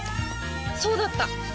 そうだった！